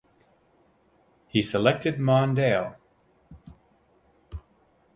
He selected Mondale.